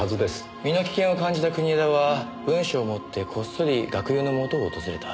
身の危険を感じた国枝は文書を持ってこっそり学友のもとを訪れた。